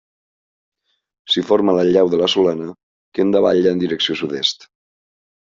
S'hi forma la llau de la Solana, que en davalla en direcció sud-est.